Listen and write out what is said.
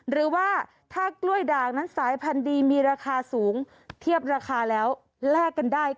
หรือว่าถ้ากล้วยด่างนั้นสายพันธุ์ดีมีราคาสูงเทียบราคาแล้วแลกกันได้